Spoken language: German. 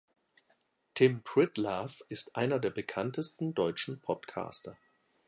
Tim Pritlove ist einer der bekanntesten deutschen Podcaster.